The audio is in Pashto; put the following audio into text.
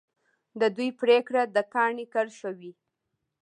د دوی پرېکړه د کاڼي کرښه وي.